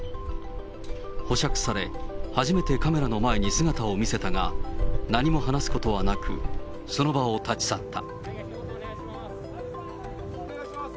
保釈され、初めてカメラの前に姿を見せたが、何も話すことはなく、その場を立ち去った。